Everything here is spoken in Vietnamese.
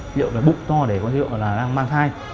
liệu là bụng to để có hiệu là đang mang thai